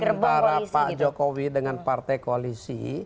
antara pak jokowi dengan partai koalisi